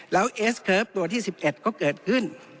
แล้วเอสเคิร์ฟตัวที่๑๑ก็เกิดขึ้น